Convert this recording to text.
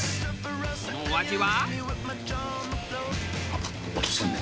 そのお味は？